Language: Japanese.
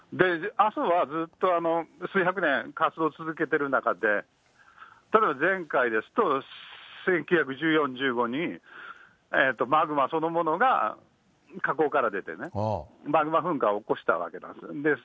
阿蘇はずっと、数百年活動を続けている中で、前回ですと、１９１４、１５に、マグマそのものが火口から出てね、マグマ噴火を起こしたわけなんですね。